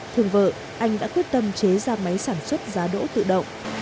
thường vợ anh đã quyết tâm chế ra máy sản xuất giá đỗ tự động